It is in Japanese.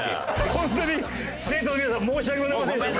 本当に生徒の皆さん申し訳ございませんでした。